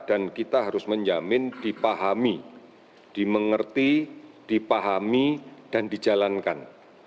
dan kita harus menyamin dipahami dimengerti dipahami dan dijalankan